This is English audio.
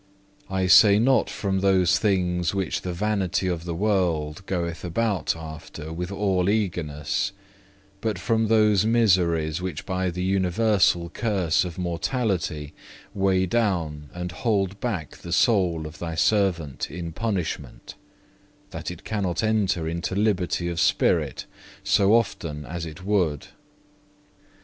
I say not from those things which the vanity of the world goeth about after with all eagerness, but from those miseries, which by the universal curse of mortality weigh down and hold back the soul of thy servant in punishment, that it cannot enter into liberty of spirit, so often as it would.